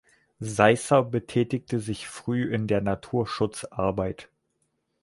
Seißer betätigte sich früh in der Naturschutzarbeit.